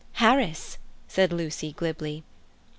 "Harris," said Lucy glibly.